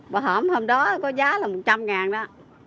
bà hổng hôm đó có giá là một trăm linh ngàn đó